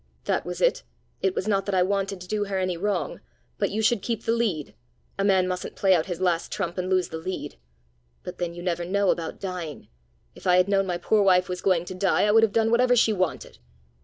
That was it! It was not that I wanted to do her any wrong. But you should keep the lead. A man mustn't play out his last trump and lose the lead. But then you never know about dying! If I had known my poor wife was going to die, I would have done whatever she wanted.